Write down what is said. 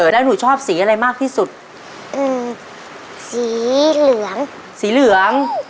แล้วหนูชอบสีอะไรมากที่สุดอืมสีเหลืองสีเหลือง